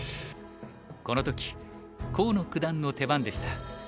この時河野九段の手番でした。